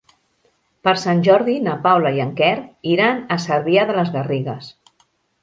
Per Sant Jordi na Paula i en Quer iran a Cervià de les Garrigues.